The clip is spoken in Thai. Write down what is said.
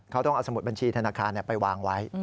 เขาต้องเอาสมุดบัญชีธนาคารไปวางไว้